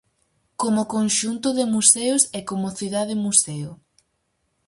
Como conxunto de museos e como cidade-museo.